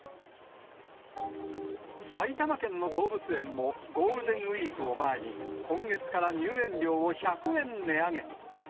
埼玉県の動物園もゴールデンウィークを前に、今月から入園料を１００円値上げ。